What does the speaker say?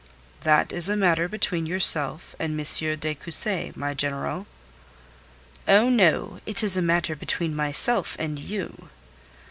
"That is a matter between yourself and M. de Cussy, my General." "Oh, no. It is a matter between myself and you."